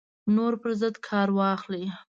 نورو پر ضد کار واخلي